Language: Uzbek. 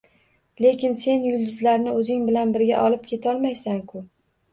Lekin sen yulduzlarni o‘zing bilan birga olib ketolmaysan-ku!